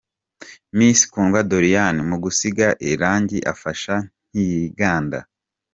Miss Kundwa Doriane mu gusiga irangi afasha ntiyiganda.